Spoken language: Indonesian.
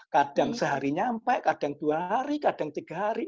kadang sehari nyampe kadang dua hari kadang tiga hari